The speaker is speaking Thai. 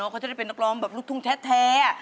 เขาจะได้เป็นนักร้องแบบลูกทุ่งแท้